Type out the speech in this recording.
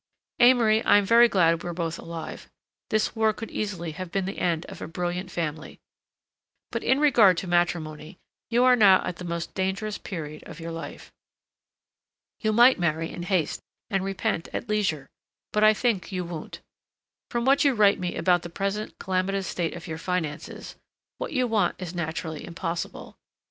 Amory, I'm very glad we're both alive; this war could easily have been the end of a brilliant family. But in regard to matrimony, you are now at the most dangerous period of your life. You might marry in haste and repent at leisure, but I think you won't. From what you write me about the present calamitous state of your finances, what you want is naturally impossible.